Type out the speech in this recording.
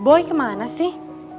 boy kemana sih